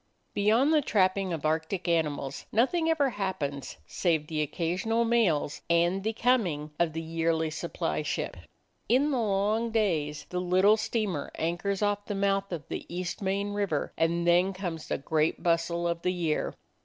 Beyond the trapping of Arctic animals nothing ever happens save the occasional mails and the coming of the yearly supply ship. In the long days the little steamer anchors off the mouth of East Main River, and then comes the great bustle of the year.